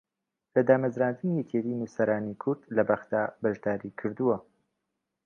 لە دامەزراندنی یەکێتی نووسەرانی کورد لە بەغداد بەشداری کردووە